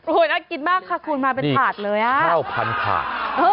โอ้ยน่ากินมากค่ะคุณมาเป็นถาดเลยนี่ข้าวพันธุ์ถาด